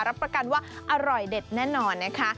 รับประกันว่าอร่อยเด็ดแน่นอนนะคะ